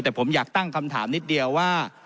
แต่ผมอยากตั้งคำถามนิดเดียวว่า